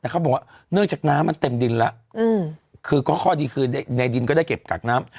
เขาบอกว่าเนื่องจากน้ำมันเต็มดินแล้วคือก็ข้อดีคือในดินก็ได้เก็บกักน้ำ